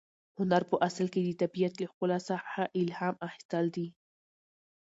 هنر په اصل کې د طبیعت له ښکلا څخه الهام اخیستل دي.